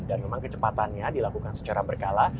dan memang kecepatannya dilakukan secara berkala